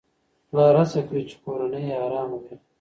پلار هڅه کوي چې کورنۍ يې آرامه وي.